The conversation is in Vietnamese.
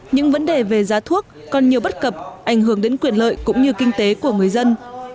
những vấn đề về giá thuốc còn nhiều bất cập ảnh hưởng đến quyền lợi cũng như kinh tế của người dân